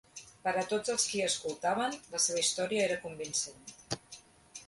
Per a tots els qui escoltaven, la seva història era convincent.